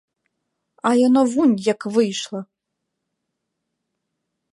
А яно вунь як выйшла!